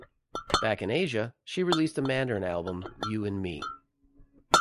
Back in Asia, she released a Mandarin album "You and me".